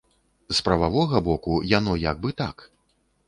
З прававога боку яно як бы так.